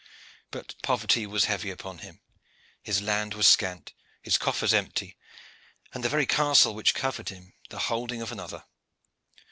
But poverty was heavy upon him, his land was scant, his coffers empty, and the very castle which covered him the holding of another.